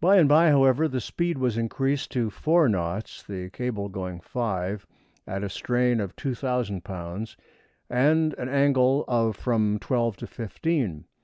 By and by, however, the speed was increased to four knots, the cable going five, at a strain of 2,000 lbs., and an angle of from twelve to fifteen.